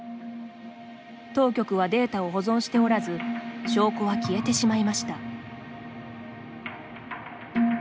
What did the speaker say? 当局はデータを保存しておらず証拠は消えてしまいました。